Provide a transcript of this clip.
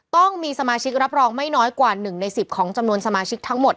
ต้องมีสมาชิกรับรองไม่น้อยกว่า๑ใน๑๐ของจำนวนสมาชิกทั้งหมด